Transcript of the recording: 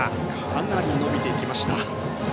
かなり伸びていきました。